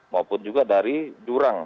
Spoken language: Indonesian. maupun juga dari jurang